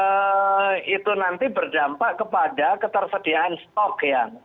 bisa jadi itu nanti berdampak kepada ketersediaan stok ya